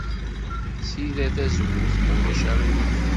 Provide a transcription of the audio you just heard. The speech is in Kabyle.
Ssider tazewwut, ma ulac aɣilif.